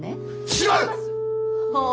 違う！